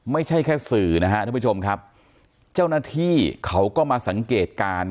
ไม่ใช่แค่สื่อนะฮะท่านผู้ชมครับเจ้าหน้าที่เขาก็มาสังเกตการณ์